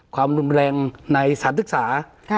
ความรุนแรงในสถานศึกษา